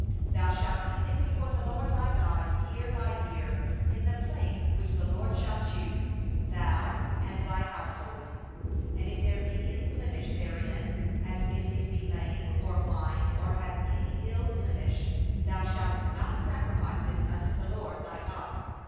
20Thou shalt eat it before the LORD thy God year by year in the place which the LORD shall choose, thou and thy household. 21And if there be any blemish therein, lameness, or blindness, any ill blemish whatsoever, thou shalt not sacrifice it unto the LORD thy God.